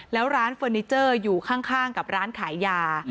แล้วร้านเฟอร์นิเจอร์อยู่ข้างกับร้านขายยา